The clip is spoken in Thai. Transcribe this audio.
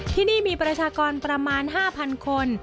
ที่นี่มีประชากรประมาณ๕๐๐คน